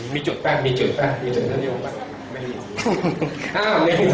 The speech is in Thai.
มีจุดแปลกมีจุดแปลก